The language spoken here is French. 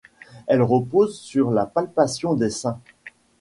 Il repose sur la palpation des seins.